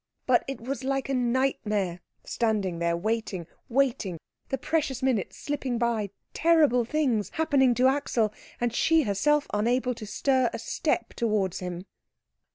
But it was like a nightmare, standing there waiting, waiting, the precious minutes slipping by, terrible things happening to Axel, and she herself unable to stir a step towards him.